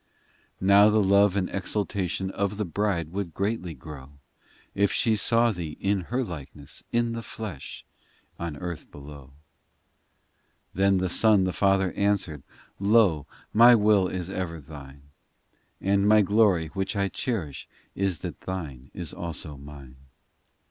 VI Now the love and exultation Of the bride would greatly grow If she saw Thee in her likeness, In the flesh, on earth below. POEMS 287 VII Then the Son the Father answered : Lo ! My will is ever Thine, And My glory which I cherish Is that Thine is also Mine.